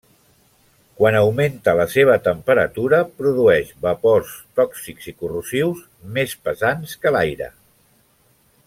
Quan augmenta la seva temperatura produeix vapors tòxics i corrosius, més pesants que l'aire.